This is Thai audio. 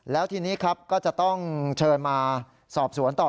แล้วทีนี้ครับก็จะต้องเชิญมาสอบสวนต่อ